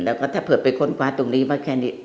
แล้วก็ถ้าเผื่อไปค้นคว้าตรงนี้มาแค่นี้